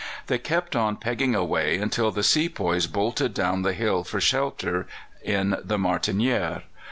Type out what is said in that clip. They kept on pegging away until the sepoys bolted down the hill for shelter in the Martinière.